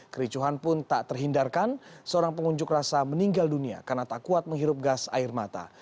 kericuhan pun tak terhindarkan seorang pengunjuk rasa meninggal dunia karena tak kuat menghirup gas air mata